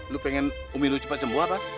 lu pengen umi lu cepet sembuh apa